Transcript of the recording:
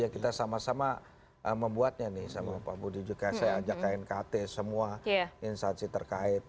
kita sama sama membuatnya nih sama pak budi juga saya ajak knkt semua instansi terkait